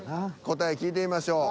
答え聞いてみましょう。